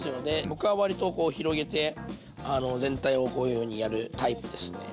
僕は割とこう広げて全体をこういうふうにやるタイプですね。